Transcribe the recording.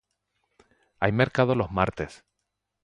Hay mercado los martes.